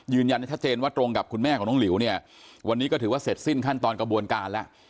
ยืนยันชัดเจนว่าตรงกับคุณแม่ของน้องหลิวเนี่ยวันนี้ก็ถือว่าเสร็จสิ้นขั้นตอนกระบวนการแล้ว